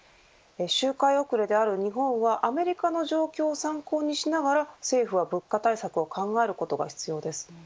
周回遅れである日本はアメリカの状況を参考にしながら政府は物価対策を考えることが必要です。